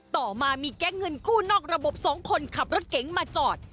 ต่อมามีแก๊งเงินกู้นอกระบบ๒คนขับรถเก๋งมาจอด